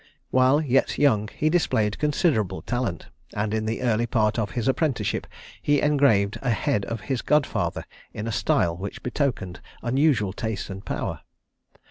While yet young, he displayed considerable talent, and in the early part of his apprenticeship he engraved a head of his godfather in a style which betokened unusual taste and power.